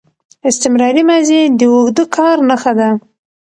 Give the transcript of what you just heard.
استمراري ماضي د اوږده کار نخښه ده.